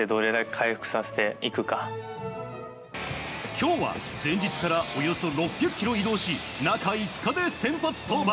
今日は前日からおよそ６００ｋｍ移動し中５日で先発登板。